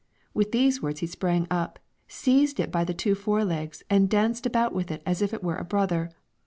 With these words he sprang up, seized it by the two fore legs, and danced about with it as if it were a brother.